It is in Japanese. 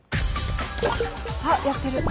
あっやってる。